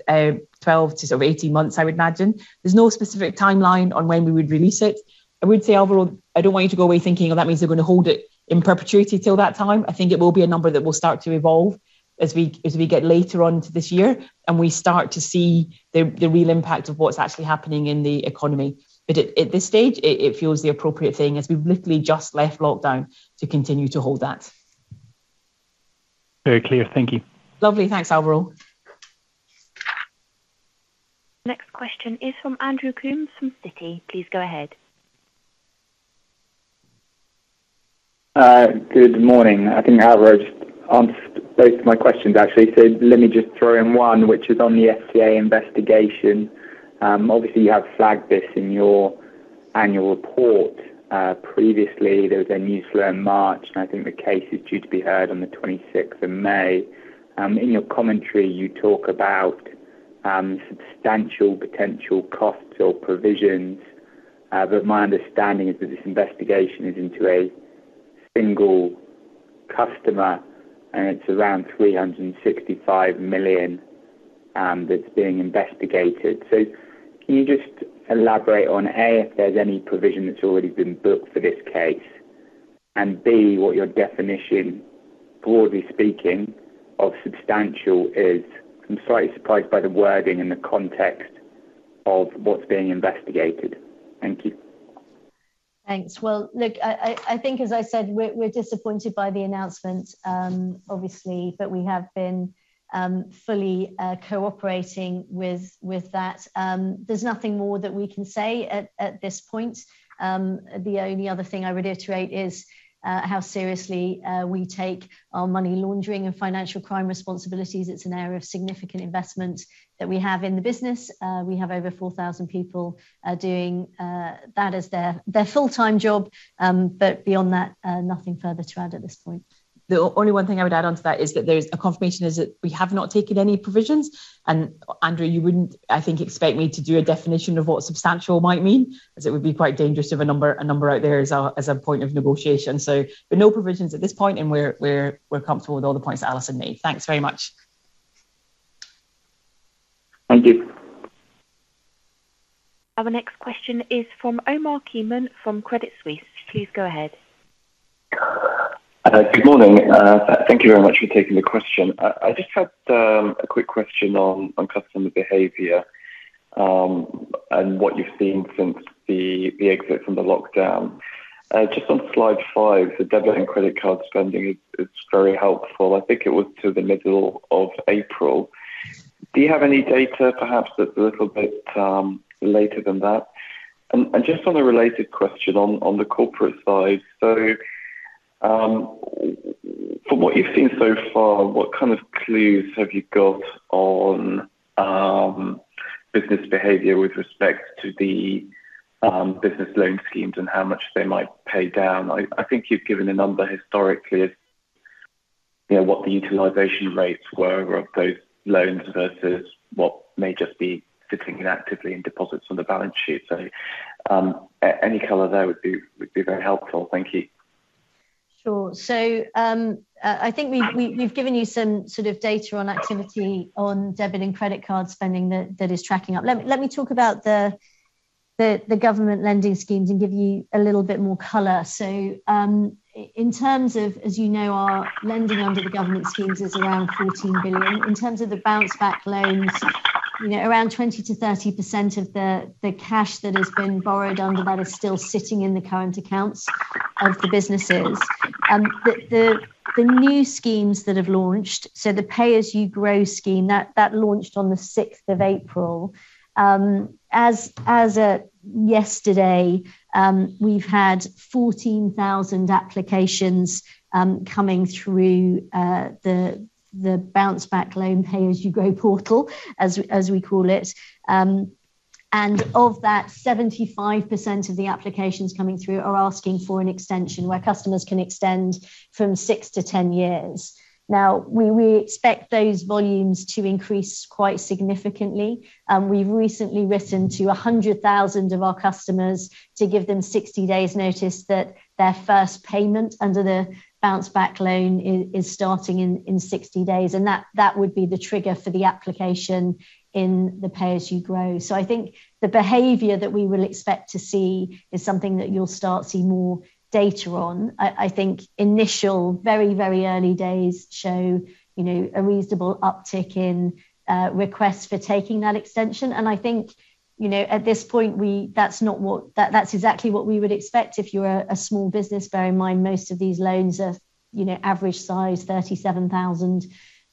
12 to 18 months, I would imagine. There's no specific timeline on when we would release it. I would say, overall, I don't want you to go away thinking, "Oh, that means they're going to hold it in perpetuity till that time." I think it will be a number that will start to evolve as we get later on into this year and we start to see the real impact of what's actually happening in the economy. At this stage, it feels the appropriate thing, as we've literally just left lockdown, to continue to hold that.
Very clear. Thank you.
Lovely. Thanks, Alvaro.
Next question is from Andrew Coombs from Citi. Please go ahead.
Good morning. I think Alvaro just asked both of my questions, actually. Let me just throw in one, which is on the FCA investigation. Obviously, you have flagged this in your annual report. Previously, there was a news flow in March, and I think the case is due to be heard on the May 26th. In your commentary, you talk about substantial potential costs or provisions, but my understanding is that this investigation is into a single customer, and it's around 365 million that's being investigated. Can you just elaborate on, A, if there's any provision that's already been booked for this case, and B, what your definition, broadly speaking, of substantial is? I'm slightly surprised by the wording and the context of what's being investigated. Thank you.
Thanks. Well, look, I think, as I said, we're disappointed by the announcement, obviously, but we have been fully cooperating with that. There's nothing more that we can say at this point. The only other thing I would reiterate is how seriously we take our money laundering and financial crime responsibilities. It's an area of significant investment that we have in the business. We have over 4,000 people doing that as their full-time job. Beyond that, nothing further to add at this point.
The only one thing I would add onto that is that there's a confirmation is that we have not taken any provisions. Andrew, you wouldn't, I think, expect me to do a definition of what substantial might mean, as it would be quite dangerous to have a number out there as a point of negotiation. No provisions at this point, and we're comfortable with all the points that Alison made. Thanks very much.
Thank you.
Our next question is from Omar Keenan from Credit Suisse. Please go ahead.
Good morning. Thank you very much for taking the question. I just had a quick question on customer behavior and what you've seen since the exit from the lockdown. Just on slide five, the debit and credit card spending is very helpful. I think it was to the middle of April. Do you have any data perhaps that's a little bit later than that? Just on a related question on the corporate side. From what you've seen so far, what kind of clues have you got on business behavior with respect to the business loan schemes and how much they might pay down? I think you've given a number historically of what the utilization rates were of those loans versus what may just be sitting inactively in deposits on the balance sheet. Any color there would be very helpful. Thank you.
Sure. I think we've given you some sort of data on activity on debit and credit card spending that is tracking up. Let me talk about the government lending schemes and give you a little bit more color. In terms of, as you know, our lending under the government schemes is around 14 billion. In terms of the Bounce Back Loans, around 20%-30% of the cash that has been borrowed under that is still sitting in the current accounts of the businesses. The new schemes that have launched, the Pay As You Grow scheme, that launched on the April 6th. As of yesterday, we've had 14,000 applications coming through the Bounce Back Loan Pay As You Grow portal, as we call it. Of that, 75% of the applications coming through are asking for an extension where customers can extend from 6-10 years. Now, we expect those volumes to increase quite significantly. We've recently written to 100,000 of our customers to give them 60 days notice that their first payment under the Bounce Back Loan is starting in 60 days. That would be the trigger for the application in the Pay As You Grow. I think the behavior that we will expect to see is something that you'll start to see more data on. I think initial, very early days show a reasonable uptick in requests for taking that extension. I think, at this point, that's exactly what we would expect if you're a small business. Bear in mind, most of these loans are average size 37,000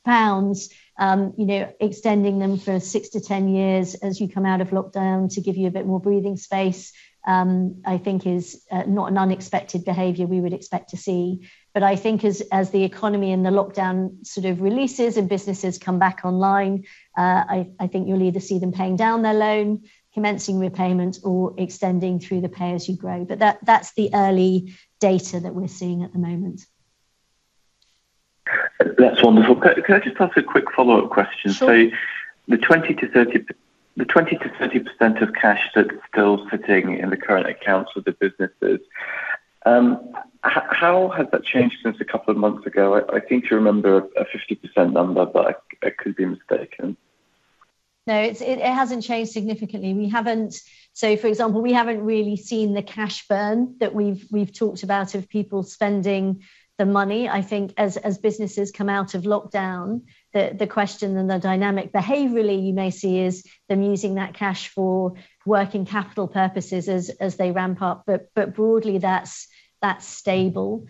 pounds. Extending them for 6-10 years as you come out of lockdown to give you a bit more breathing space, I think is not an unexpected behavior we would expect to see. I think as the economy and the lockdown sort of releases and businesses come back online, I think you'll either see them paying down their loan, commencing repayments or extending through the Pay as You Grow. That's the early data that we're seeing at the moment.
That's wonderful. Can I just ask a quick follow-up question?
Sure.
The 20%-30% of cash that's still sitting in the current accounts with the businesses, how has that changed since a couple of months ago? I seem to remember a 50% number, but I could be mistaken.
No, it hasn't changed significantly. For example, we haven't really seen the cash burn that we've talked about of people spending the money. I think as businesses come out of lockdown, the question and the dynamic behaviorally you may see is them using that cash for working capital purposes as they ramp up. Broadly, that's stable.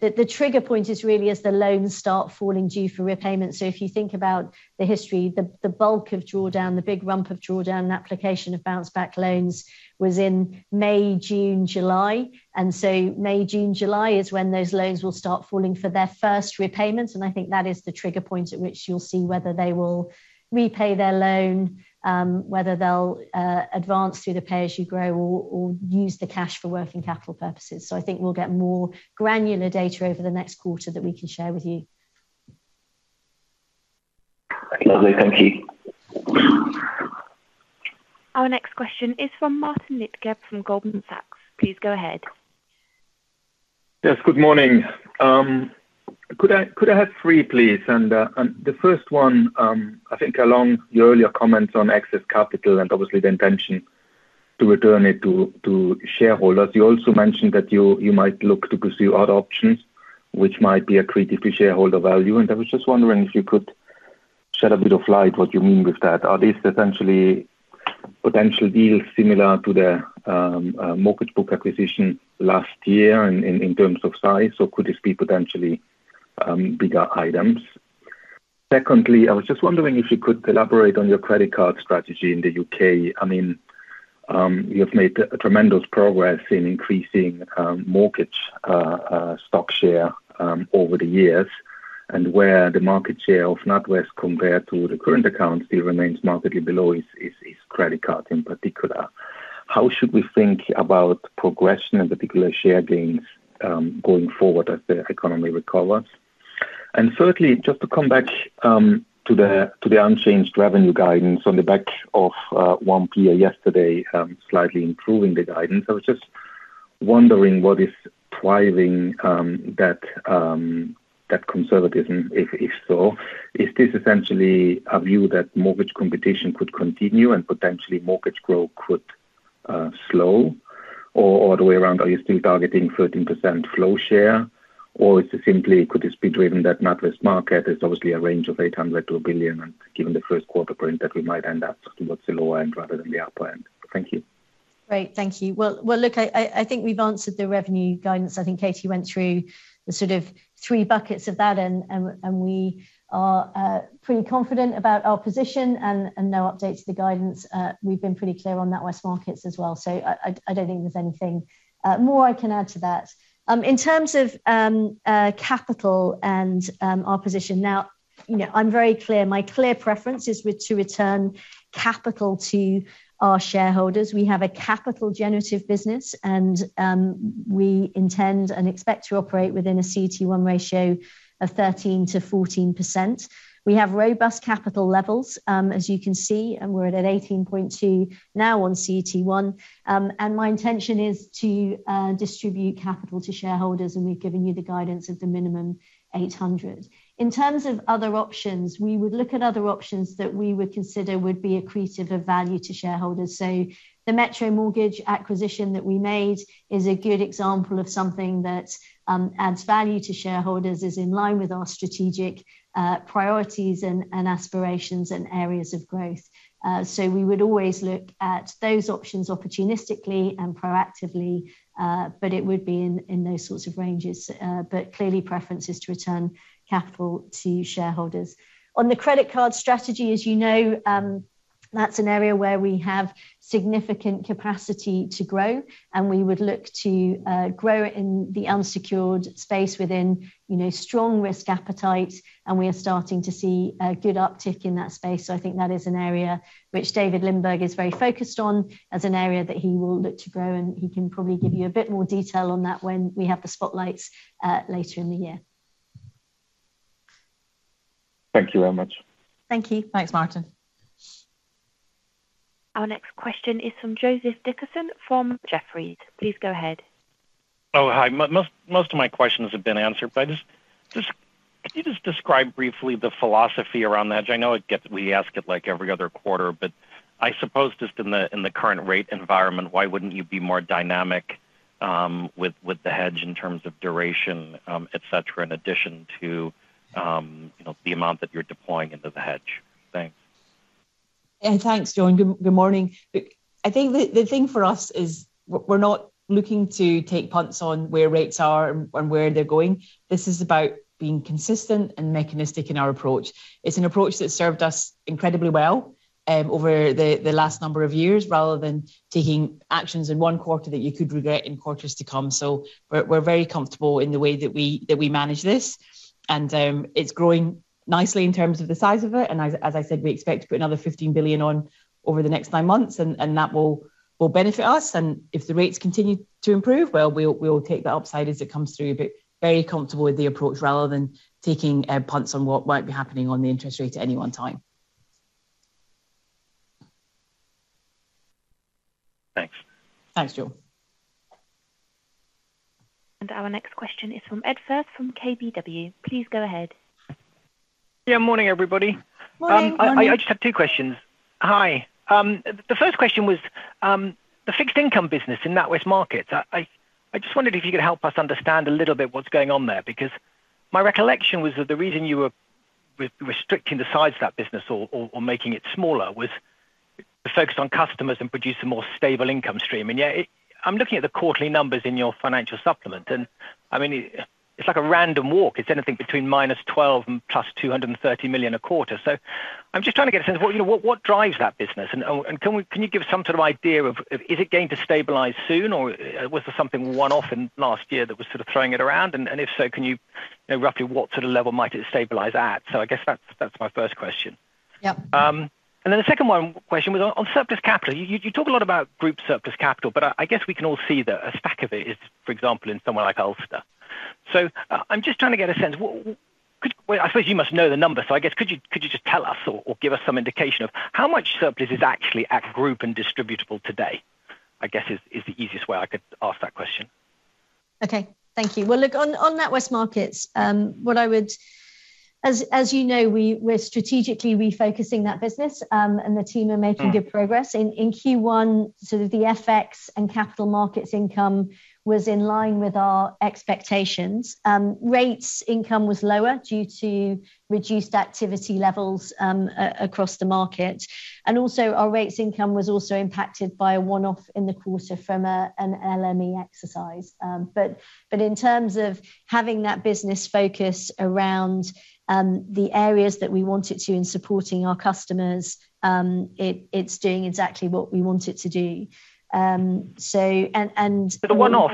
The trigger point is really as the loans start falling due for repayment. If you think about the history, the bulk of drawdown, the big rump of drawdown application of Bounce Back Loan Scheme was in May, June, July. May, June, July is when those loans will start falling for their first repayments, and I think that is the trigger point at which you'll see whether they will repay their loan, whether they'll advance through the Pay As You Grow or use the cash for working capital purposes. I think we'll get more granular data over the next quarter that we can share with you.
Lovely. Thank you.
Our next question is from Martin Leitgeb from Goldman Sachs. Please go ahead.
Yes, good morning. Could I have three, please? The first one, I think along your earlier comments on excess capital and obviously the intention to return it to shareholders, you also mentioned that you might look to pursue other options which might be accretive to shareholder value, and I was just wondering if you could shed a bit of light what you mean with that. Are these essentially potential deals similar to the mortgage book acquisition last year in terms of size, or could this be potentially bigger items? Secondly, I was just wondering if you could elaborate on your credit card strategy in the U.K. You have made tremendous progress in increasing mortgage stock share over the years, and where the market share of NatWest compared to the current account still remains markedly below its credit card in particular. How should we think about progression and particular share gains going forward as the economy recovers? Thirdly, just to come back to the unchanged revenue guidance on the back of one peer yesterday slightly improving the guidance. I was just wondering what is driving that conservatism, if so. Is this essentially a view that mortgage competition could continue and potentially mortgage growth could slow? The other way around, are you still targeting 13% flow share? Is it simply could this be driven that NatWest Markets is obviously a range of 800 million-1 billion, and given the first quarter print that we might end up towards the lower end rather than the upper end? Thank you.
Great. Thank you. Look, I think we've answered the revenue guidance. I think Katie went through the sort of three buckets of that. We are pretty confident about our position and no update to the guidance. We've been pretty clear on NatWest Markets as well. I don't think there's anything more I can add to that. In terms of capital and our position now, I'm very clear. My clear preference is to return capital to our shareholders. We have a capital generative business. We intend and expect to operate within a CET1 ratio of 13%-14%. We have robust capital levels, as you can see. We're at 18.2% now on CET1. My intention is to distribute capital to shareholders. We've given you the guidance of the minimum 800. In terms of other options, we would look at other options that we would consider would be accretive of value to shareholders. The Metro Bank mortgage acquisition that we made is a good example of something that adds value to shareholders, is in line with our strategic priorities and aspirations and areas of growth. We would always look at those options opportunistically and proactively, it would be in those sorts of ranges. Clearly preference is to return capital to shareholders. On the credit card strategy, as you know, that's an area where we have significant capacity to grow, and we would look to grow it in the unsecured space within strong risk appetite, and we are starting to see a good uptick in that space. I think that is an area which David Lindberg is very focused on as an area that he will look to grow, and he can probably give you a bit more detail on that when we have the Spotlights later in the year.
Thank you very much.
Thank you.
Thanks, Martin.
Our next question is from Joseph Dickerson from Jefferies. Please go ahead.
Oh, hi. Most of my questions have been answered. Can you just describe briefly the philosophy around the hedge? I know we ask it like every other quarter. I suppose just in the current rate environment, why wouldn't you be more dynamic with the hedge in terms of duration, et cetera, in addition to the amount that you're deploying into the hedge? Thanks.
Thanks, Joe. Good morning. I think the thing for us is we're not looking to take punts on where rates are and where they're going. This is about being consistent and mechanistic in our approach. It's an approach that's served us incredibly well over the last number of years, rather than taking actions in one quarter that you could regret in quarters to come. We're very comfortable in the way that we manage this, and it's growing nicely in terms of the size of it, and as I said, we expect to put another 15 billion on over the next nine months, and that will benefit us. If the rates continue to improve, well, we'll take the upside as it comes through. Very comfortable with the approach rather than taking punts on what might be happening on the interest rate at any one time.
Thanks.
Thanks, Joe.
Our next question is from Ed Firth from KBW. Please go ahead.
Yeah, morning, everybody.
Morning.
Morning.
I just have two questions. Hi. The first question was the fixed income business in NatWest Markets. I just wondered if you could help us understand a little bit what's going on there, because my recollection was that the reason you were restricting the size of that business or making it smaller was the focus on customers and produce a more stable income stream. Yet I'm looking at the quarterly numbers in your financial supplement, and it's like a random walk. It's anything between -12 million and +230 million a quarter. I'm just trying to get a sense. What drives that business? Can you give some sort of idea of is it going to stabilize soon, or was there something one-off in last year that was sort of throwing it around? If so, can you roughly what sort of level might it stabilize at? I guess that's my first question.
Yep.
The second one question was on surplus capital. You talk a lot about group surplus capital, but I guess we can all see that a stack of it is, for example, in somewhere like Ulster. I'm just trying to get a sense. I suppose you must know the number, so I guess could you just tell us or give us some indication of how much surplus is actually at group and distributable today, I guess is the easiest way I could ask that question.
Okay. Thank you. Well, look, on NatWest Markets, as you know, we're strategically refocusing that business. The team are making good progress. In Q1, sort of the FX and capital markets income was in line with our expectations. Rates income was lower due to reduced activity levels across the market. Also, our rates income was also impacted by a one-off in the quarter from an LME exercise. In terms of having that business focus around the areas that we want it to in supporting our customers, it's doing exactly what we want it to do.
The one-off.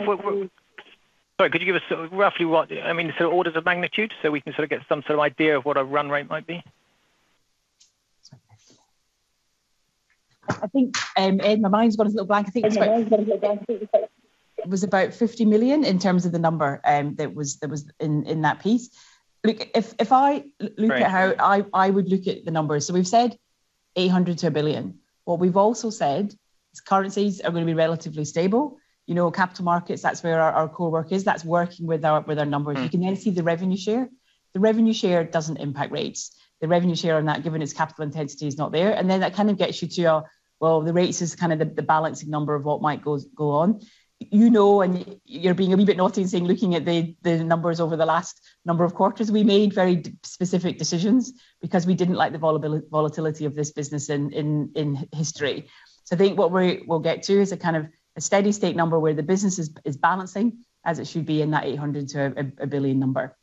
Sorry, could you give us roughly what, I mean, sort of orders of magnitude so we can sort of get some sort of idea of what a run rate might be?
I think, Ed, my mind's gone a little blank. I think it was about 50 million in terms of the number that was in that piece. Look, if I look at how I would look at the numbers, so we've said 800 million-1 billion. What we've also said is currencies are going to be relatively stable. Capital markets, that's where our core work is. That's working with our numbers. You can then see the revenue share. The revenue share doesn't impact rates. The revenue share on that, given its capital intensity, is not there. That gets you to your, well, the rates is the balancing number of what might go on. You know, you're being a wee bit naughty in saying, looking at the numbers over the last number of quarters, we made very specific decisions because we didn't like the volatility of this business in history. I think what we'll get to is a kind of a steady state number where the business is balancing, as it should be, in that 800 million-1 billion number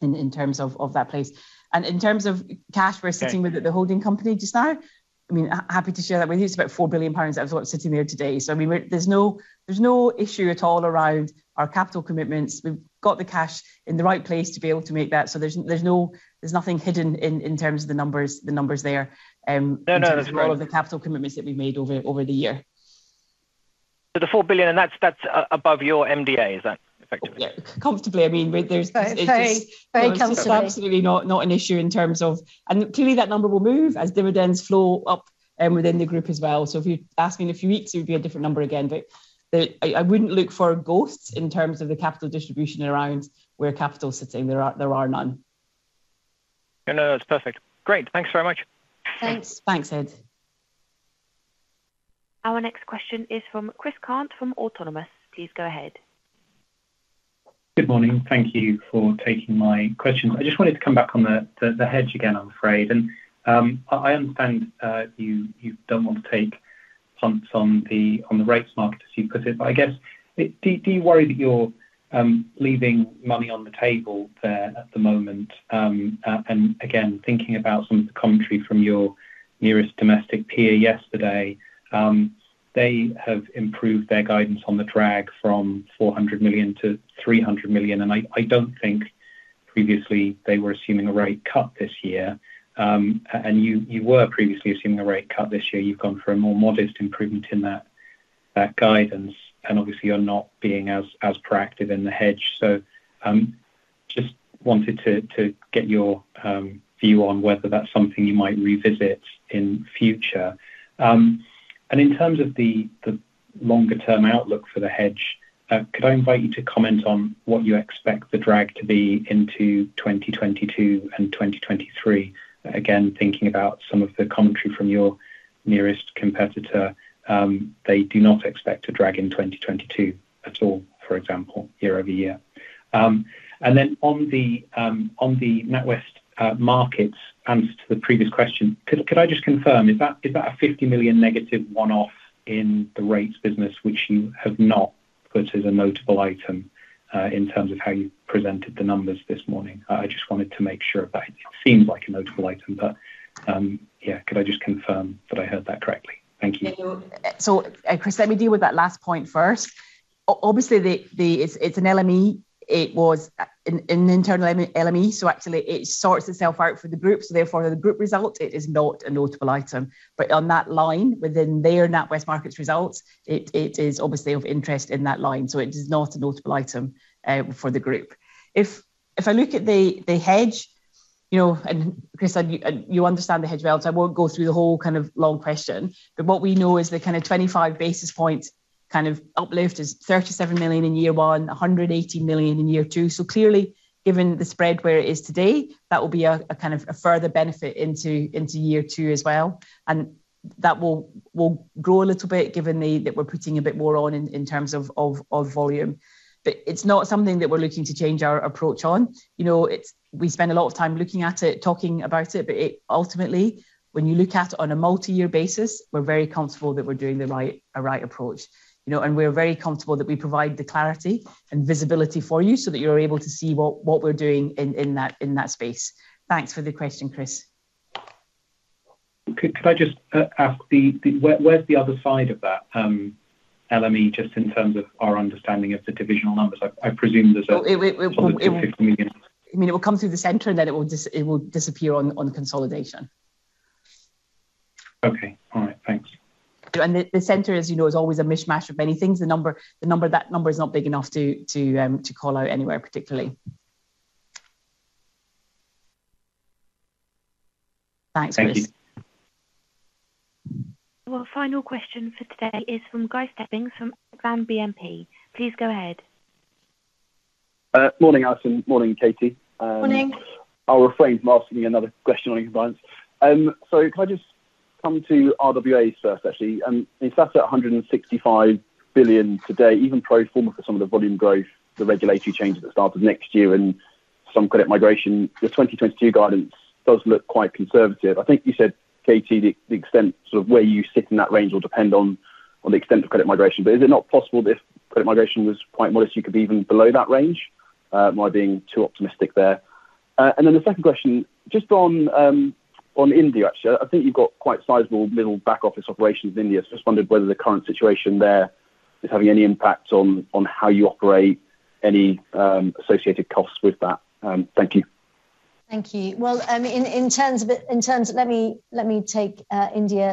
in terms of that place. In terms of cash -
Okay
- we're sitting with at the holding company just now, happy to share that with you. It's about 4 billion pounds that was sitting there today. There's no issue at all around our capital commitments. We've got the cash in the right place to be able to make that. There's nothing hidden in terms of the numbers there.
No
In terms of all of the capital commitments that we've made over the year.
The 4 billion, and that's above your MDA, is that effectively it?
Yeah. Comfortably.
Very comfortably.
It's absolutely not an issue in terms of. Clearly that number will move as dividends flow up within the group as well. If you ask me in a few weeks, it would be a different number again. I wouldn't look for ghosts in terms of the capital distribution around where capital's sitting. There are none.
No, that's perfect. Great. Thanks very much.
Thanks.
Thanks, Ed.
Our next question is from Chris Cant from Autonomous. Please go ahead.
Good morning. Thank you for taking my questions. I just wanted to come back on the hedge again, I'm afraid. I understand you don't want to take punts on the rates market as you put it, but I guess, do you worry that you're leaving money on the table there at the moment? Again, thinking about some of the commentary from your nearest domestic peer yesterday, they have improved their guidance on the drag from 400 million-300 million, and I don't think previously they were assuming a rate cut this year. You were previously assuming a rate cut this year. You've gone for a more modest improvement in that guidance, and obviously you're not being as proactive in the hedge. Just wanted to get your view on whether that's something you might revisit in future. In terms of the longer term outlook for the hedge, could I invite you to comment on what you expect the drag to be into 2022 and 2023? Again, thinking about some of the commentary from your nearest competitor, they do not expect to drag in 2022 at all, for example, year-over-year. On the NatWest Markets answer to the previous question, could I just confirm, is that a 50 million negative one-off in the rates business, which you have not put as a notable item, in terms of how you presented the numbers this morning? I just wanted to make sure of that. It seems like a notable item, but could I just confirm that I heard that correctly? Thank you.
Chris, let me deal with that last point first. Obviously it's an LME. It was an internal LME, actually it sorts itself out for the group, therefore the group result, it is not a notable item. On that line within their NatWest Markets results, it is obviously of interest in that line. It is not a notable item for the group. If I look at the hedge, Chris, you understand the hedge well, I won't go through the whole long question. What we know is the kind of 25 basis points uplift is 37 million in year one, 180 million in year two. Clearly, given the spread where it is today, that will be a further benefit into year two as well. That will grow a little bit given that we're putting a bit more on in terms of volume. It's not something that we're looking to change our approach on. We spend a lot of time looking at it, talking about it, but it ultimately, when you look at it on a multi-year basis, we're very comfortable that we're doing the right approach. We're very comfortable that we provide the clarity and visibility for you so that you're able to see what we're doing in that space. Thanks for the question, Chris.
Could I just ask, where's the other side of that LME, just in terms of our understanding of the divisional numbers? I presume there's a positive GBP 50 million.
It will come through the center and then it will disappear on consolidation.
Okay. All right. Thanks.
The center, as you know, is always a mishmash of many things. That number is not big enough to call out anywhere particularly. Thanks, Chris.
Thank you.
Our final question for today is from Guy Stebbings from Exane BNP. Please go ahead.
Morning, Alison. Morning, Katie.
Morning.
I'll refrain from asking another question on compliance. Can I just come to RWAs first, actually. It's sat at 165 billion today, even pro forma for some of the volume growth, the regulatory changes that started next year and some credit migration. The 2022 guidance does look quite conservative. I think you said, Katie, the extent sort of where you sit in that range will depend on the extent of credit migration. Is it not possible that if credit migration was quite modest, you could be even below that range? Am I being too optimistic there? The second question, just on India, actually. I think you've got quite sizable middle back office operations in India. Just wondered whether the current situation there is having any impact on how you operate any associated costs with that. Thank you.
Thank you. Let me take India.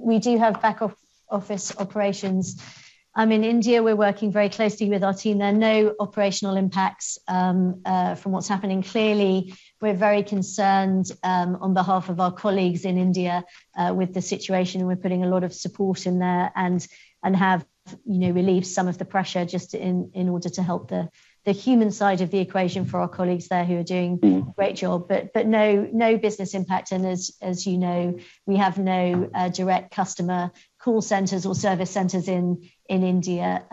We do have back office operations. In India, we're working very closely with our team there. No operational impacts from what's happening. Clearly, we're very concerned on behalf of our colleagues in India with the situation, and we're putting a lot of support in there and have relieved some of the pressure just in order to help the human side of the equation for our colleagues there who are doing a great job. No business impact. As you know, we have no direct customer call centers or service centers in India,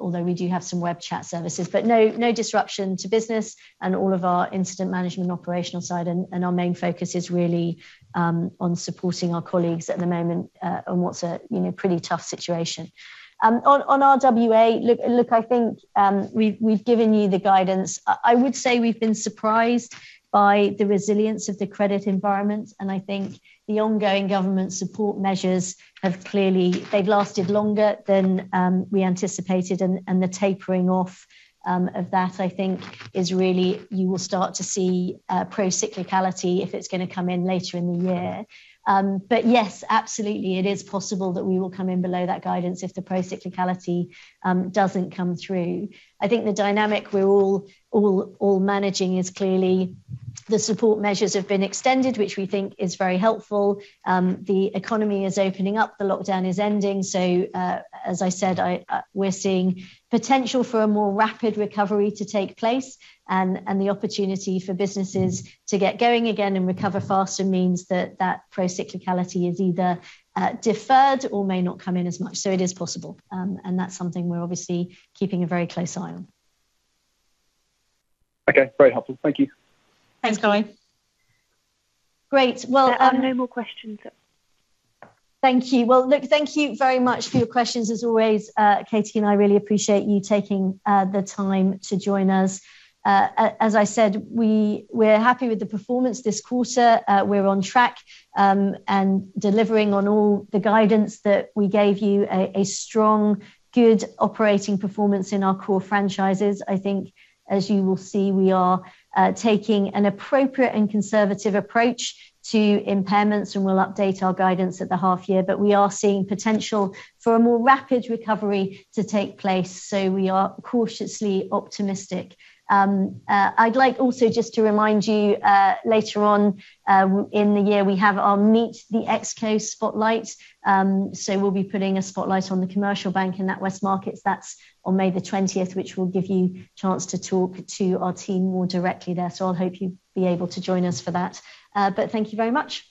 although we do have some web chat services. No disruption to business and all of our incident management operational side. Our main focus is really on supporting our colleagues at the moment on what's a pretty tough situation. On RWA, look, I think we've given you the guidance. I would say we've been surprised by the resilience of the credit environment, and I think the ongoing government support measures have clearly lasted longer than we anticipated, and the tapering off of that, I think, you will start to see pro-cyclicality if it's going to come in later in the year. Yes, absolutely, it is possible that we will come in below that guidance if the pro-cyclicality doesn't come through. I think the dynamic we're all managing is clearly the support measures have been extended, which we think is very helpful. The economy is opening up. The lockdown is ending. As I said, we're seeing potential for a more rapid recovery to take place and the opportunity for businesses to get going again and recover faster means that that pro-cyclicality is either deferred or may not come in as much. It is possible, and that's something we're obviously keeping a very close eye on.
Okay. Very helpful. Thank you.
Thanks, Guy.
Great.
There are no more questions.
Thank you. Look, thank you very much for your questions. As always, Katie and I really appreciate you taking the time to join us. As I said, we're happy with the performance this quarter. We're on track and delivering on all the guidance that we gave you. A strong, good operating performance in our core franchises. I think as you will see, we are taking an appropriate and conservative approach to impairments, and we'll update our guidance at the half year. We are seeing potential for a more rapid recovery to take place. We are cautiously optimistic. I'd like also just to remind you, later on in the year, we have our Meet the ExCo Spotlight. We'll be putting a spotlight on the commercial bank in NatWest Markets. That's on May 20th, which will give you a chance to talk to our team more directly there. I hope you'll be able to join us for that. Thank you very much.